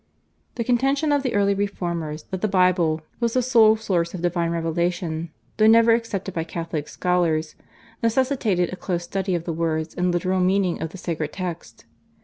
The contention of the early Reformers that the Bible was the sole source of divine revelation, though never accepted by Catholic scholars, necessitated a close study of the words and literal meaning of the sacred text.